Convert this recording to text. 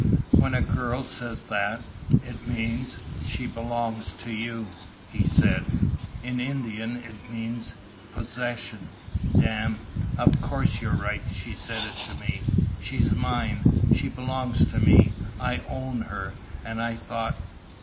"When a girl says that it means she belongs to you," he said. "In Indian it means possession! Dam' ... of course you're right! She said it to me. She's mine. She belongs to me. I own her. And I thought...."